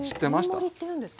へえ天盛りっていうんですか？